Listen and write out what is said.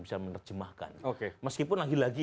bisa menerjemahkan meskipun lagi lagi